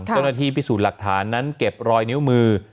เจ้าหน้าที่พิสูจน์หลักฐานนั้นเก็บรอยนิ้วมือ